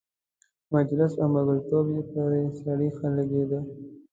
مجلس او ملګرتوب یې پر سړي ښه لګېده.